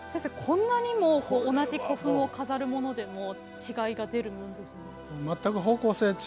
こんなにも同じ古墳を飾るものでも違いが出るもんですね。